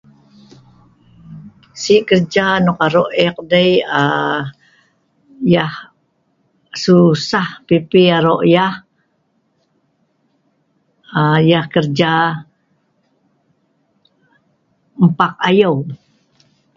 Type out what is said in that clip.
Si kerja nok aro ek dei, tusah pipi aro yah, yah nah kerja mpaak ayaeu